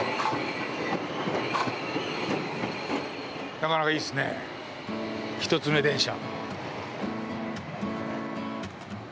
なかなかいいですね、一つ目電車。